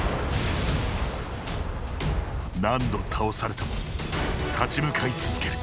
何度倒されても立ち向かい続ける。